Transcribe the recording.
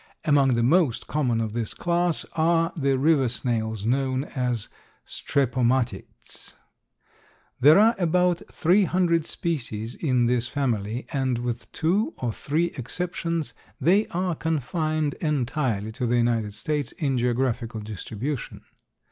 Among the most common of this class are the river snails, known as Strepomatids. There are about three hundred species in this family, and with two or three exceptions they are confined entirely to the United States in geographical distribution.